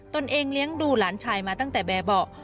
ตัวเองเลี้ยงดูหลานชายมาตั้งแต่แบบเบาะ